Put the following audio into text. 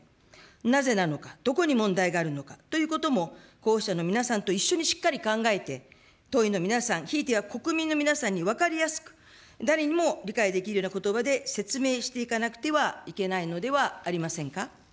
なぜなのか、どこに問題があるのかということも候補者の皆さんと一緒にしっかり考えて、党員の皆さん、ひいては国民の皆さんに分かりやすく、誰にも理解できるようなことばで説明していかなくてはいけないのではありませんか。